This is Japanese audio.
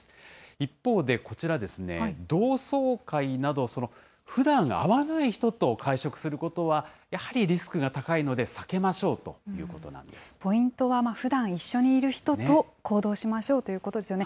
一方でこちら、同窓会など、ふだん、会わない人と会食することは、やはりリスクが高いので避けましポイントは、ふだん一緒にいる人と行動しましょうということですよね。